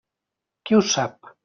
Qui ho sap!